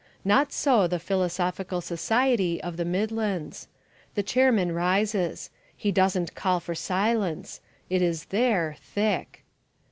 Not so the Philosophical Society of the Midlands. The chairman rises. He doesn't call for silence. It is there, thick.